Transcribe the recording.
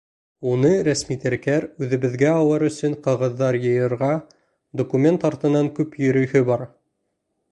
Уны рәсми теркәр, үҙебеҙгә алыр өсөн ҡағыҙҙар йыйырға, документ артынан күп йөрөйһө бар.